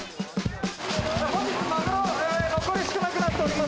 本日、マグロ残り少なくなっております。